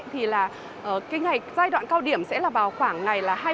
thì là cái giai đoạn cao điểm sẽ là vào khoảng ngày là hai mươi